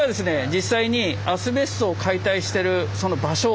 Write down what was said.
実際にアスベストを解体してるその場所